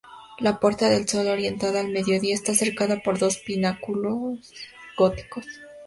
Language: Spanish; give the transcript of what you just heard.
La puerta del Sol, orientada al mediodía, está cercada por dos pináculos góticos.